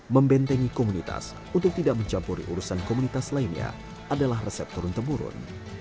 membentengi komunitas untuk tidak mencampuri urusan komunitas lainnya adalah resep turun temurun